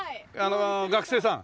学生さん？